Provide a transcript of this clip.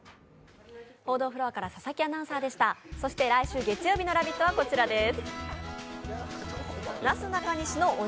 来週月曜日の「ラヴィット！」はこちらです。